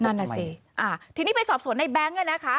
นั่นอ่ะสิอ่าทีนี้ไปสอบสวนในแบงก์เนี้ยนะคะ